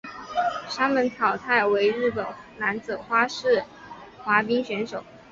山本草太为日本男子花式滑冰选手。